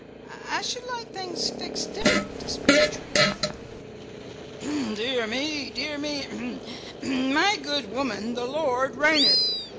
I should like things fixed different, to speak truth." "Dear me! Dear me h m! h m! My good woman, the Lord reigneth.